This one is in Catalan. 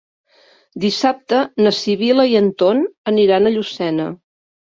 Dissabte na Sibil·la i en Ton aniran a Llucena.